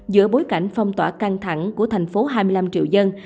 giữa bối cảnh phong tỏa căng thẳng của thành phố hai mươi năm triệu dân